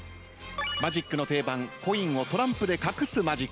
マジックの定番コインをトランプで隠すマジック。